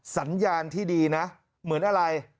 สัญญาณที่ดีนะเหมือนอะไร